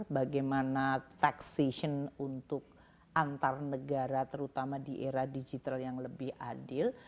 bagaimana taxation untuk antar negara terutama di era digital yang lebih adil